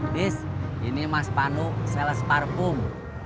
tis ini mas pandu seles parpung